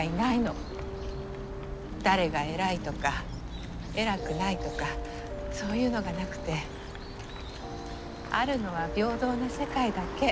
誰が偉いとか偉くないとかそういうのがなくてあるのは平等な世界だけ。